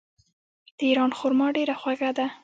د ایران خرما ډیره خوږه ده.